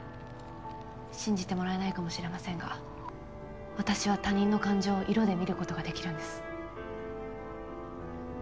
信じてもらえないかもしれませんが私は他人の感情を色で見ることができるんです。